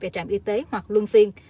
về trạm y tế hoặc luân phiên